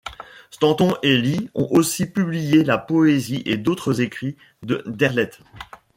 Stanton & Lee ont aussi publié la poésie et d'autres écrits de Derleth.